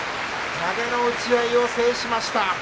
投げの打ち合いを制しました。